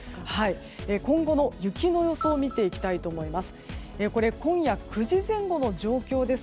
今後の雪の予想を見ていきたいと思います。